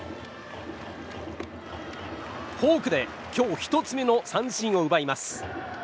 フォークで今日１つ目の三振を奪います。